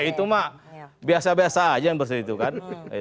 ya itu mak biasa biasa aja yang bersebut itu kan